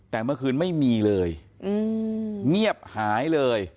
แต่เมื่อคืนไม่มีเลยเงียบหายเลย